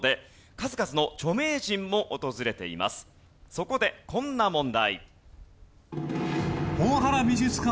そこでこんな問題。